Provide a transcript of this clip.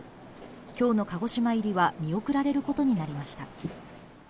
今日の鹿児島入りは見送られることになりました。